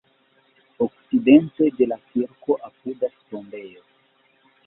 Okcidente de la kirko apudas tombejo.